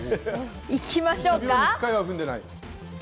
行きましょうか。